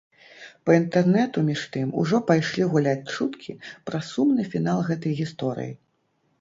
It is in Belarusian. Па інтэрнэту, між тым, ужо пайшлі гуляць чуткі пра сумны фінал гэтай гісторыі.